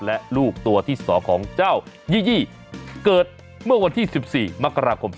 และลูกตัวที่๒ของเจ้ายี่ยี่เกิดเมื่อวันที่๑๔มกราคม